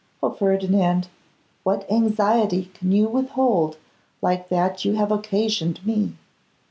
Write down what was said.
O Ferdinand! what anxiety can you withhold like that you have occasioned me?